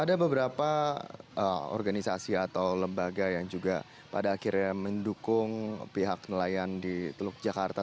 ada beberapa organisasi atau lembaga yang juga pada akhirnya mendukung pihak nelayan di teluk jakarta